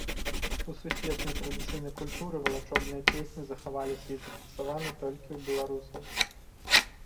У сусветнай традыцыйнай культуры валачобныя песні захаваліся і зафіксаваны толькі ў беларусаў.